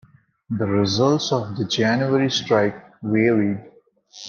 The results of the January strike varied.